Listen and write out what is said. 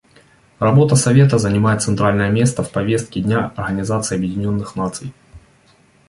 Работа Совета занимает центральное место в повестке дня Организации Объединенных Наций.